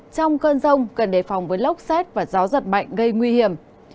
trong cơn rông cần đề phòng với lốc xét và gió giật mạnh gây nguy hiểm